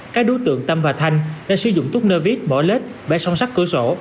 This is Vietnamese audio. các đối tượng tâm và thanh đã sử dụng túp nơ vít bỏ lết bẻ song sắt cửa sổ